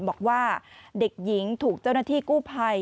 บอกว่าเด็กหญิงถูกเจ้าหน้าที่กู้ภัย